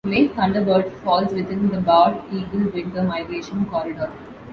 Lake Thunderbird falls within the bald eagle winter migration corridor.